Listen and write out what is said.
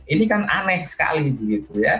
ini kan aneh sekali begitu ya